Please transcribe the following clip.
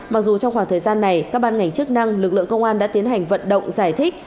mặc dù trong khoảng thời gian này các ban ngành chức năng lực lượng công an đã tiến hành vận động giải thích